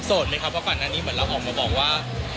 โสดไหมคะเพราะขวัญอันนี้เหมือนเราออกมาบอกว่า